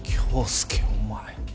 恭介お前。